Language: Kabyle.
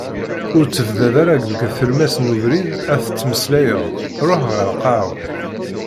Ur ttebdad ara deg tlemmas n ubrid ad tettmmeslayeḍ, ruḥ ɣer lqahwa.